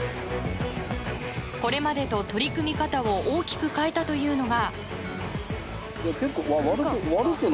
これまでと取り組み方を大きく変えたというのが。